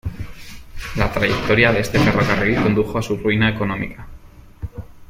La trayectoria de este ferrocarril condujo a su ruina económica.